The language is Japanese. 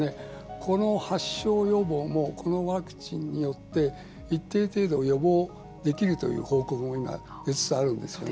この発症予防もこのワクチンによって一定程度、予防できるという報告も出つつあるんですよね。